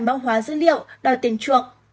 mang hóa dữ liệu đòi tiền chuộc